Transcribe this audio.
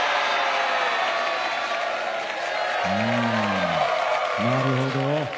うーんなるほど。